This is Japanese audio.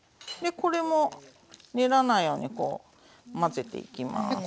でこれも練らないように混ぜていきます。